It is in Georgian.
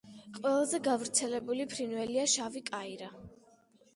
ყველაზე გავრცელებული ფრინველია შავი კაირა.